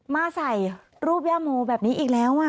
มาใส่รูปย่าโมแบบนี้อีกแล้ว